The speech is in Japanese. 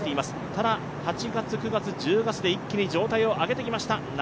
ただ、８月、９月、１０月で一気に状態を上げてきました。